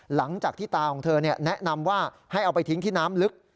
หลังจากที่ตาของเธอแนะนำว่าให้เอาไปทิ้งที่น้ำลึก